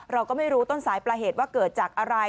เราก็ไม่รู้ต้นสายปลาเหตุว่าเกิดจากอะไร